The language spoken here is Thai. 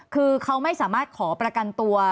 คือเขาไม่สามารถขอประกันตัว